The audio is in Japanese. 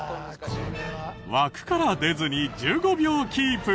枠から出ずに１５秒キープ。